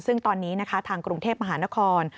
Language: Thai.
ซึ่งตอนนี้นะคะทางกรุงเทพมหานคร